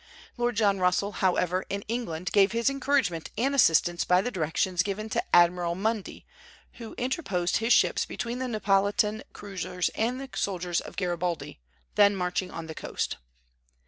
Lord John Russell, however, in England, gave his encouragement and assistance by the directions given to Admiral Mundy, who interposed his ships between the Neapolitan cruisers and the soldiers of Garibaldi, then marching on the coast.